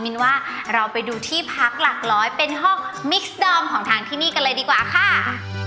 นว่าเราไปดูที่พักหลักร้อยเป็นห้องมิกสดอมของทางที่นี่กันเลยดีกว่าค่ะ